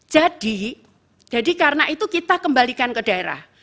jadi karena itu kita kembalikan ke daerah